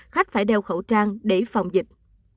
khách phải đeo khẩu trang để phòng dịch